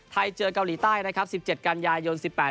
ไทยเจอกาหลีใต้๑๗กันยายนต์